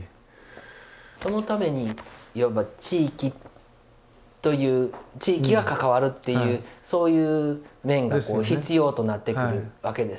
そのためにいわば地域が関わるっていうそういう面が必要となってくるわけですね。